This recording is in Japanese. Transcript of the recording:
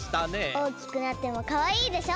おおきくなってもかわいいでしょ？